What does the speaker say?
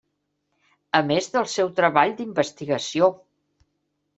A més del seu treball d'investigació!